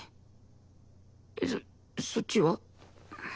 そそっちは？